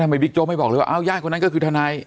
บิ๊กโจ๊ไม่บอกเลยว่าญาติคนนั้นก็คือทนาย